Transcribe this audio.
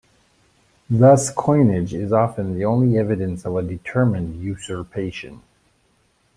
Thus coinage is often the only evidence of a determined usurpation.